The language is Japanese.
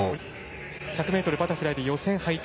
１００ｍバタフライで予選敗退。